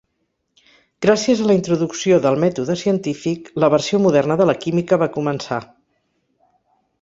Gràcies a la introducció del mètode científic, la versió moderna de la química va començar.